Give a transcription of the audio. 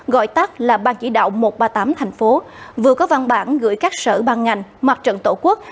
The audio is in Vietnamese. gọi tắt là ban chỉ đạo một trăm ba mươi tám thành phố vừa có văn bản gửi các sở ban ngành mặt trận tổ quốc